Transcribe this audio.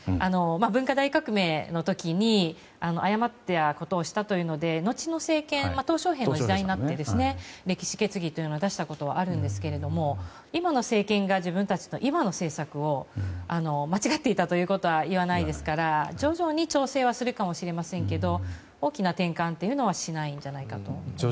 文化大革命の時に誤ったことをしたというので後の政権トウ・ショウヘイの時代になって歴史決議を出したことはありますが今の政権が自分たちの今の政策を間違っていたということは言わないですから徐々に調整はするかもしれませんが大きな転換はしないんじゃないかなと思います。